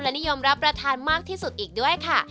และนิยมรับประทานมากที่สุดอีกด้วยค่ะ